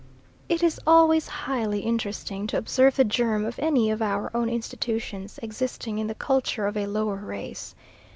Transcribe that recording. It is always highly interesting to observe the germ of any of our own institutions existing in the culture of a lower race.